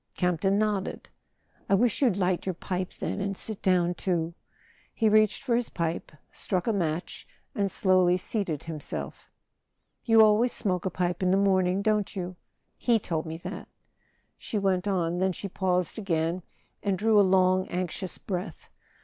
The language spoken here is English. Camp ton nodded. "I wish you'd light your pipe, then, and sit down too." He reached for his pipe, struck a match, and slowly seated himself. "You always smoke a pipe in the morning, don't you? He told me that," she went on; then she paused again and drew a long anxious breath.